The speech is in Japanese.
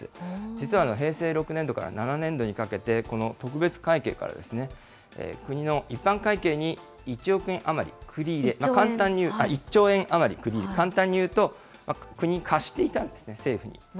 実は平成６年度から７年度にかけて、この特別会計から国の一般会計に１億円余り繰り入れ、１兆円余り、繰り入れ、簡単に言うと国、貸していたんですね、政府に。